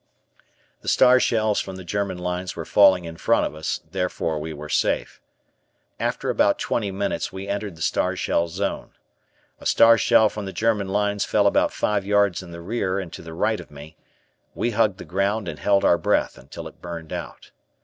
The star shells from the German lines were falling in front of us, therefore we were safe. After about twenty minutes we entered the star shell zone. A star shell from the German lines fell about five yards in the rear and to the right of me; we hugged the ground and held our breath until it burned out.